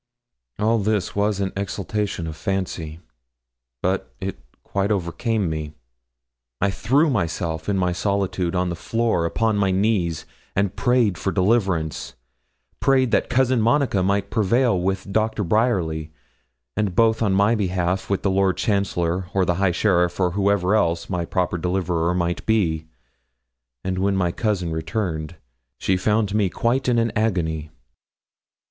All this was an exhalation of fancy, but it quite overcame me. I threw myself, in my solitude, on the floor, upon my knees, and prayed for deliverance prayed that Cousin Monica might prevail with Doctor Bryerly, and both on my behalf with the Lord Chancellor, or the High Sheriff, or whoever else my proper deliverer might be; and when my cousin returned, she found me quite in an agony.